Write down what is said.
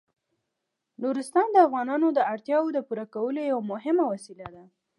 نورستان د افغانانو د اړتیاوو د پوره کولو یوه مهمه وسیله ده.